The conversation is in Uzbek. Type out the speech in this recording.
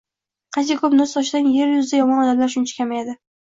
Qancha ko‘p nur sochsang, yer yuzida yomon odamlar shuncha kamayadi.